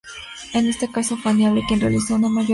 En este caso fue Annibale quien realizó una mayor aportación.